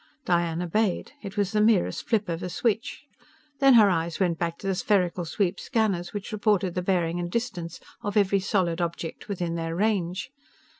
Diane obeyed. It was the merest flip of a switch. Then her eyes went back to the spherical sweep scanners which reported the bearing and distance of every solid object within their range.